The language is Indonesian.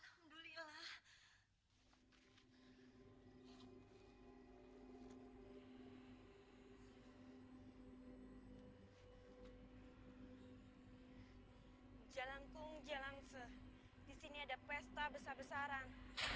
jalan kung jalan se di sini ada pesta besar besaran